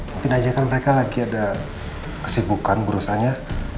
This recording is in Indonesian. mungkin aja kan mereka lagi ada kesibukan berusaha nya